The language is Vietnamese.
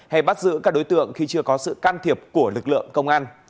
hay bắt giữ các đối tượng khi chưa có sự can thiệp của lực lượng công an